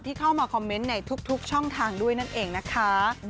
เข้ามาคอมเมนต์ในทุกช่องทางด้วยนั่นเองนะคะ